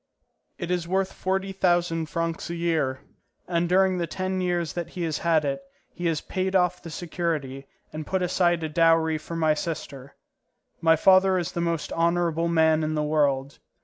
It is worth forty thousand francs a year, and during the ten years that he has had it, he has paid off the security and put aside a dowry for my sister. My father is the most honourable man in the world.